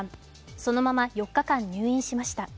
そのまま４日間、入院しました。